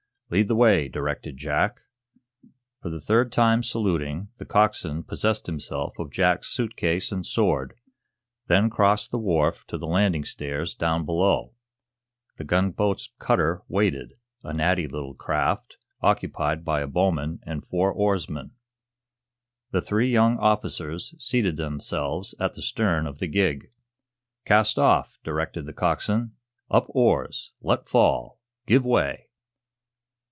"Lead the way," directed Jack. For the third time saluting, the coxswain possessed himself of Jack's suit case and sword, then crossed the wharf to the landing stairs down below, the gunboat's cutter waited, a natty little craft, occupied by a bowman and four oarsmen. The three young officers seated themselves at the stern of the gig. "Cast off," directed the coxswain. "Up oars! Let fall! Give way!"